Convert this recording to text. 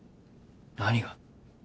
何が？